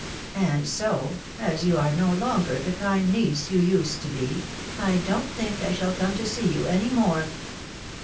•.. And so, as you are no longer the kind niece you used to be, I don't think I shall come to see you any more.